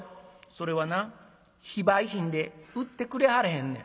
「それはな非売品で売ってくれはらへんねん」。